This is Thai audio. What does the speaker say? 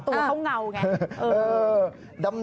ตัวเขาเงาไง